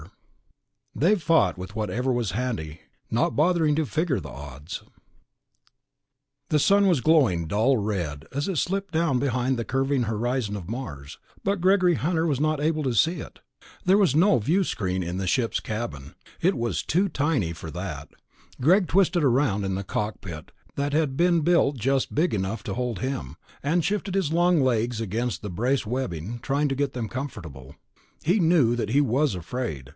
[Illustration: They fought with whatever was handy, not bothering to figure the odds.] 1. Trouble Times Two The sun was glowing dull red as it slipped down behind the curving horizon of Mars, but Gregory Hunter was not able to see it. There was no viewscreen in the ship's cabin; it was too tiny for that. Greg twisted around in the cockpit that had been built just big enough to hold him, and shifted his long legs against the brace webbing, trying to get them comfortable. He knew he was afraid